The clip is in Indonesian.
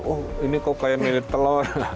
oh ini kok kayak milit telur